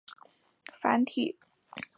繁体中文版由台湾角川代理。